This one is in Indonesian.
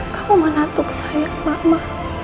kamu menantu kesayang mama